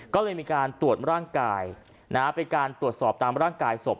ก็เลยมีการตรวจร่างกายเป็นการตรวจสอบตามร่างกายศพ